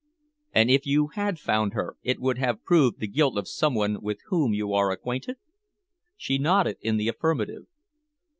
"And if you had found her it would have proved the guilt of someone with whom you are acquainted?" She nodded in the affirmative.